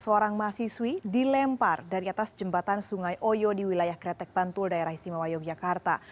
seorang mahasiswi dilempar dari atas jembatan sungai oyo di wilayah kretek bantul daerah istimewa yogyakarta